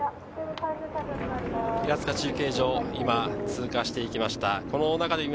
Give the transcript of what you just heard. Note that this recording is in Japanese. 平塚中継所を今通過していきました。